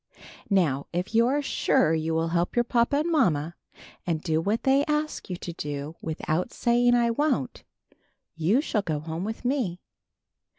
Now, if you are sure you will help your papa and mamma, and do what they ask you to without saying T won't,' you shall go home with me."